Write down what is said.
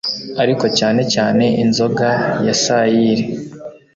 Ariko cyane cyane inzoga ya sayiri!